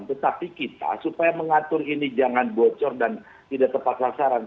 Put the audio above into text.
tetapi kita supaya mengatur ini jangan bocor dan tidak tepat sasaran